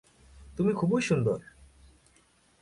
তুমি খুব সুন্দর।